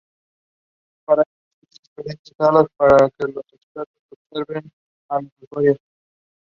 Para ello existen diferentes salas para que los expertos observen a los usuarios.